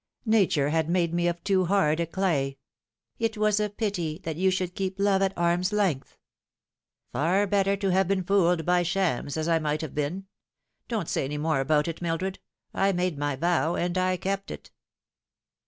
Nature had 'made me of too hard a clay." " It was a pity that you should keep love at arm's length." " Far better than to have been fooled by shams, as I might have been. Don't say any more about it, Mildred. I made my vow, and I kept it."